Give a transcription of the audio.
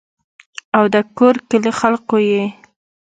او دَکور کلي خلقو ئې